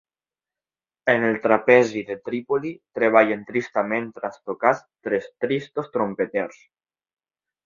En el trapezi de Trípoli treballen tristament trastocats tres tristos trompeters.